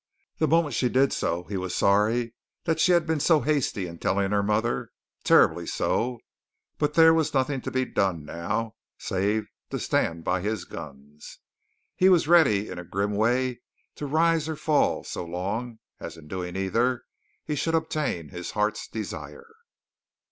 The moment she did so, he was sorry that she had been so hasty in telling her mother, terribly so, but there was nothing to be done now save to stand by his guns. He was ready in a grim way to rise or fall so long as, in doing either, he should obtain his heart's desire.